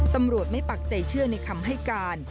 ตำรวจไม่ปักใจเชื่อในคำให้การ